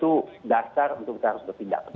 itu dasar untuk kita harus bertindak ke depan